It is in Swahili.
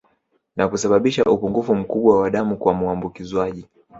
Na kusababisha upungufu mkubwa wa damu kwa muambukizwaji